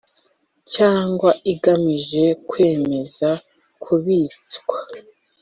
Cyangwa igamije kwemeza kubitswa